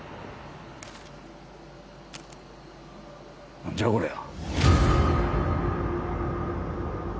何じゃこりゃ？